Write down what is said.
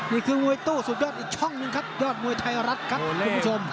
นี่คือมวยตู้สุดยอดอีกช่องหนึ่งครับยอดมวยไทยรัฐครับคุณผู้ชม